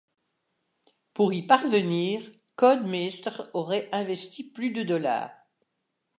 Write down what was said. Pour y parvenir, Codemaster aurait investi plus de $.